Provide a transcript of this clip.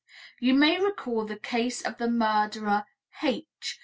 You may recall the case of the murderer H.